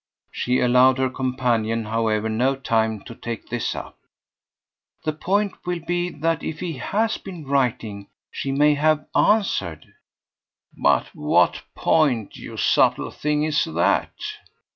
She allowed her companion, however, no time to take this up. "The point will be that if he HAS been writing she may have answered." "But what point, you subtle thing, is that?"